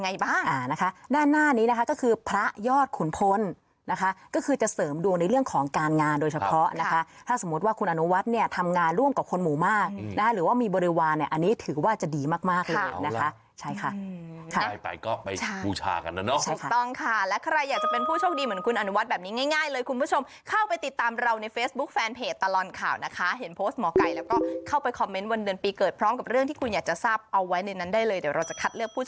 นะคะด้านหน้านี้นะคะก็คือพระยอดขุนพลนะคะก็คือจะเสริมดวงในเรื่องของการงานโดยเฉพาะนะคะถ้าสมมติว่าคุณอนุวัฒน์เนี่ยทำงานร่วมกับคนหมู่มากนะคะหรือว่ามีบริวารเนี่ยอันนี้ถือว่าจะดีมากมากเลยนะคะใช่ค่ะใช่ไปก็ไปบูชากันนะเนอะถูกต้องค่ะและใครอยากจะเป็นผู้โชคดีเหมือนคุณอนุวัฒน์แบบนี้ง่ายง่ายเลยคุ